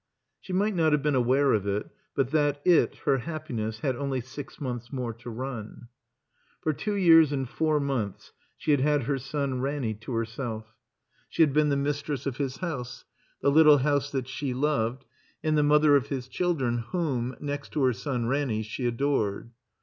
She might not have been aware of it but that it, her happiness, had only six months more to run. For two years and four months she had had her son Ranny to herself. She had been the mistress 348 THE COMBINED MAZE of his house, the little house that she loved, and the mother of his children whom (next to her son Ranny) she adored.